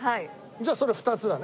じゃあそれ２つだね。